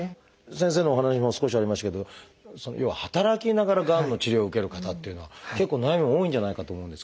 先生のお話にも少しありましたけど要は働きながらがんの治療を受ける方っていうのは結構悩みも多いんじゃないかと思うんですけどいかがですか？